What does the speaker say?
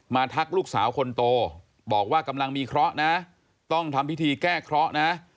ทักลูกสาวคนโตบอกว่ากำลังมีเคราะห์นะต้องทำพิธีแก้เคราะห์นะ